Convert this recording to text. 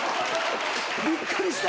びっくりした！